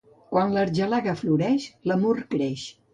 Quan l'argelaga floreix l'amor creix.